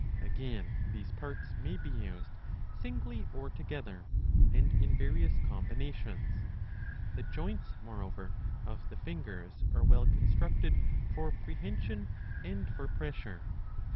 Again these parts may be used singly or together, and in various combinations. The joints, moreover, of the fingers are well constructed for prehension and for pressure.